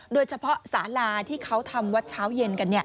โดยเฉพาะสาลาที่เขาทำวัดเช้าเย็นกัน